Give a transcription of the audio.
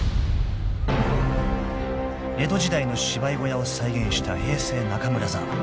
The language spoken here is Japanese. ［江戸時代の芝居小屋を再現した平成中村座］